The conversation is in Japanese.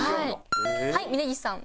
はい峯岸さん。